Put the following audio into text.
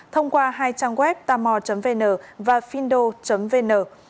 thông qua hai trang web tamo vn và findo vn